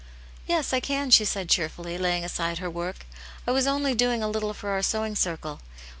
" Yes, I can," she said cheerfully, laying aside her work. "I was only doing a little for our sewing circle.